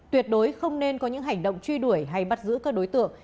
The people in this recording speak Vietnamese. tuyệt đối không nên có những hành động truy đuổi hay bắt giữ các đối tượng